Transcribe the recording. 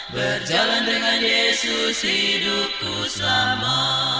terjalan dengan yesus hidupku selama